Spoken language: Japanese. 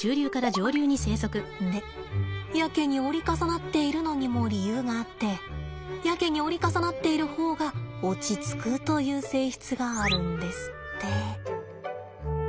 でやけに折り重なっているのにも理由があってやけに折り重なっている方が落ち着くという性質があるんですって。